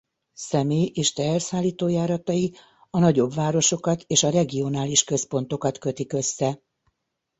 Személy- és teherszállító járatai a nagyobb városokat és a regionális központokat kötik össze.